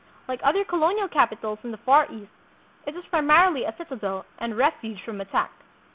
Like other colonial capitals in the Far East, it was primarily a citadel and refuge from attack.